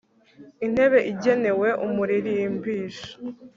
intebe igenewe umuririmbisha